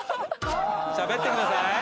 しゃべってください。